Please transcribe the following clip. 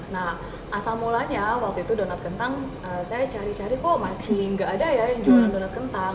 nah asal mulanya waktu itu donat kentang saya cari cari kok masih nggak ada ya yang jualan donat kentang